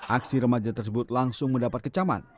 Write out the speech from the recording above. aksi remaja tersebut langsung mendapat kecaman